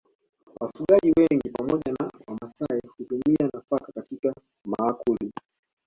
Wafugaji wengi pamoja na Wamasai hutumia nafaka katika maakuli